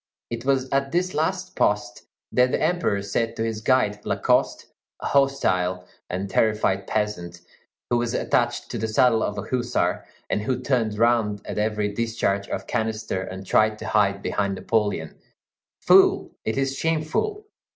It was at this last post that the Emperor said to his guide, Lacoste, a hostile and terrified peasant, who was attached to the saddle of a hussar, and who turned round at every discharge of canister and tried to hide behind Napoleon: "Fool, it is shameful!